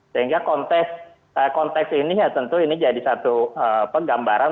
sehingga konteks ini ya tentu ini jadi satu penggambaran